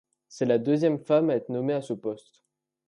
C'est la deuxième femme à être nommée à ce poste.